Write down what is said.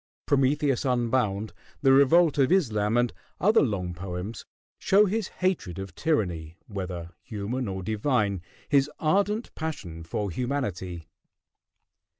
"Prometheus Unbound," "The Revolt of Islam," and other long poems show his hatred of tyranny, whether human or divine, his ardent passion for humanity.